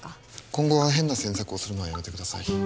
今後は変な詮索をするのはやめてください